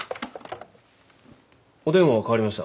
お電話代わりました。